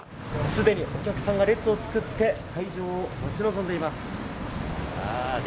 すでにお客さんが列を作って開場を待ち望んでいます。